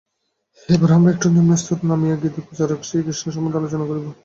এইবার আমরা একটু নিম্নস্তরে নামিয়া গীতাপ্রচারক শ্রীকৃষ্ণ সম্বন্ধে আলোচনা করিব।